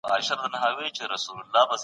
د سياست علم په غټو کتابونو کې ليکل کېده.